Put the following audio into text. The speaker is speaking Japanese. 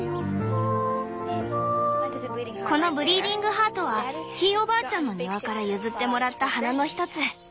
このブリーディングハートはひいおばあちゃんの庭から譲ってもらった花のひとつ。